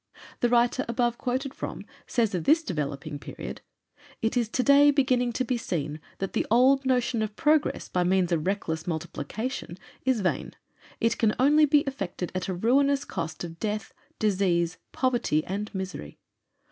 The writer above quoted from says of this developing period: "It is today beginning to be seen that the old notion of progress by means of reckless multiplication is vain. It can only be effected at a ruinous cost of death, disease, poverty, and misery.